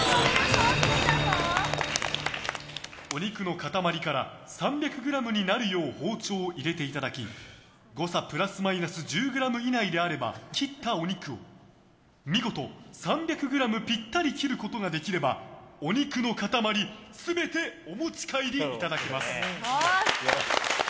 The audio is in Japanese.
お肉の塊から３００ｇになるよう包丁を入れていただき誤差プラスマイナス１０ｇ以内であれば切ったお肉を見事３００ｇぴったり切ることができればお肉の塊全てお持ち帰りいただけます。